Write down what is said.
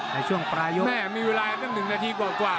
ในช่วงปลายกแม่มีเวลาตั้ง๑นาทีกว่ากว่า